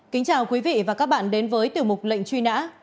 kính chào quý vị và các bạn đến với tiểu mục lệnh truy nã